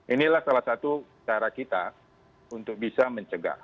inilah salah satu cara kita untuk bisa mencegah